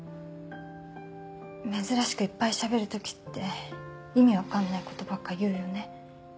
珍しくいっぱいしゃべるときって意味分かんないことばっか言うよね。